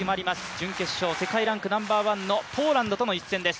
準決勝、世界ランクナンバーワンのポーランドとの一戦です。